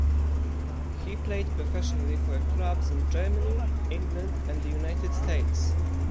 He played professionally for clubs in Germany, England and the United States.